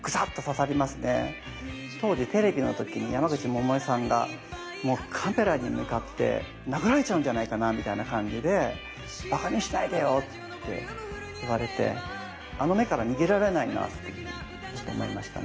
当時テレビの時に山口百恵さんがもうカメラに向かって殴られちゃうんじゃないかなみたいな感じで「馬鹿にしないでよ」って言われてあの目から逃げられないなってちょっと思いましたね。